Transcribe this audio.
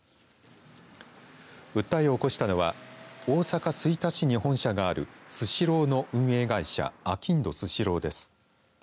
訴えを起こしたのは大阪、吹田市に本社があるスシローの運営会社あきんどスシローです。